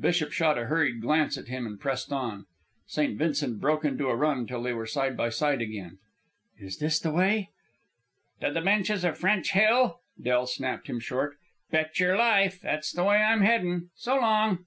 Bishop shot a hurried glance at him and pressed on. St. Vincent broke into a run till they were side by side again. "Is this the way " "To the benches of French Hill?" Del snapped him short. "Betcher your life. That's the way I'm headin'. So long."